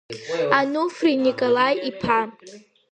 Онуфри Николаи-иԥа?!